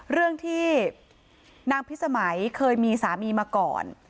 เรื่องที่นางพิสมัยเคยมีสามีมาก่อน